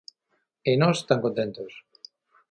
E nós, tan contentos.